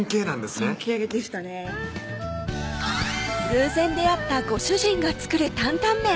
尊敬でしたね偶然出会ったご主人が作る担々麺